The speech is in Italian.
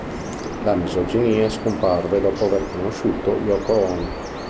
La misoginia scomparve dopo aver conosciuto Yōko Ono.